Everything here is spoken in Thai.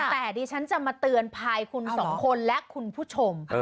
แต่ดิฉันจะมาเตือนภัยคุณสองคนและคุณผู้ชม